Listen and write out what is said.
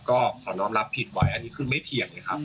ก็ขอน้องรับผิดไว้อันนี้คือไม่เถียงเลยครับ